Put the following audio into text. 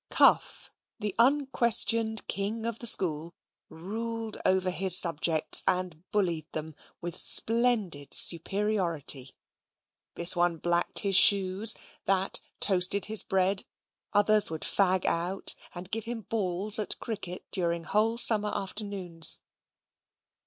Cuff, the unquestioned king of the school, ruled over his subjects, and bullied them, with splendid superiority. This one blacked his shoes: that toasted his bread, others would fag out, and give him balls at cricket during whole summer afternoons.